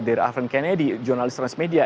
dari afrien kennedy jurnalis transmedia